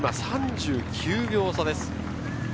今、３９秒差です。